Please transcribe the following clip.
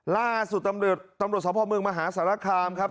ล่าสู่ตำรวจตำรวจสาวพ่อเมืองมหาสารคามครับ